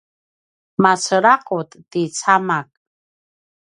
macelaqut ti camak